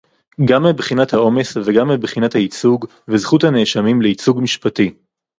גם מבחינת העומס וגם מבחינת הייצוג וזכות הנאשמים לייצוג משפטי